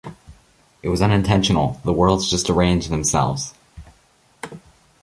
It was unintentional — the words just arranged themselves.